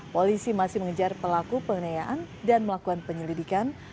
polisi masih mengejar pelaku penganiayaan dan melakukan penyelidikan